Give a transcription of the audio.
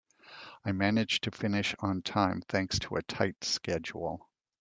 I managed to finish on time thanks to a tight schedule.